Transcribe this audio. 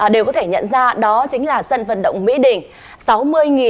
đều có thể nhận ra đó chính là sân vận động mỹ đình